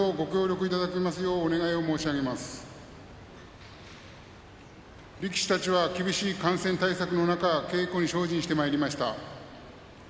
力士たちは厳しい感染対策の中稽古に精進してまいりました。